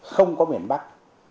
không có miền bắc